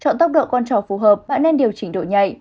chọn tốc độ con chó phù hợp bạn nên điều chỉnh độ nhạy